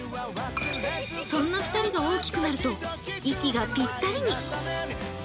そんな２人が大きくなると息がぴったりに。